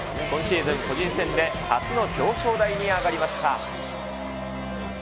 今シーズン、個人戦で初の表彰台に上がりました。